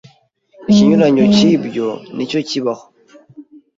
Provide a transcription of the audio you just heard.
ikinyuranyo cy’ibyo ni cyo kibaho